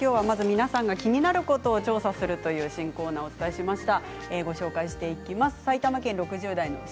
気になることを調査するという新コーナーをお伝えしました。